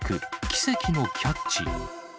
奇跡のキャッチ。